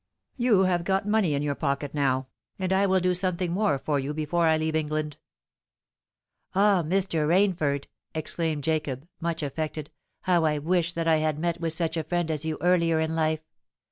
You have got money in your pocket now; and I will do something more for you before I leave England." "Ah! Mr. Rainford," exclaimed Jacob, much affected, "how I wish that I had met with such a friend as you earlier in life!